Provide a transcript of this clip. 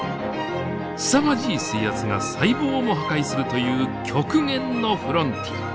すさまじい水圧が細胞をも破壊するという極限のフロンティア。